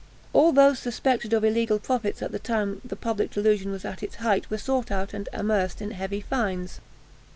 All those suspected of illegal profits at the time the public delusion was at its height, were sought out and amerced in heavy fines.